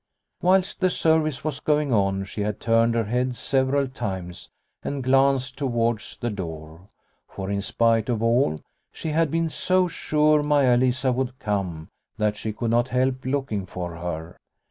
Whilst the service was going on she had turned her head several times and glanced towards the door, for, in spite of all, she had been so sure Maia Lisa would come that she could not help looking for her.